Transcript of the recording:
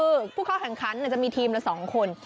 มีหลากหลายการแข่งขันคุณผู้ชมอย่างที่บอกอันนี้ปาเป้าเห็นมั้ยก็ม